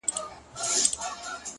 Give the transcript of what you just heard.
سیاه پوسي ده خاوند یې ورک دی؛